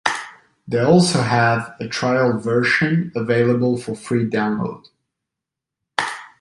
They also have a trial version available for free download.